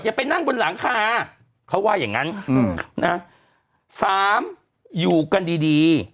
ไปนั่งบนหลังคาเขาว่าอย่างงั้นอืมนะสามอยู่กันดีดี